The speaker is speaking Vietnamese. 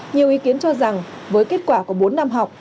nhiều ý kiến cho rằng với kết quả của bốn năm học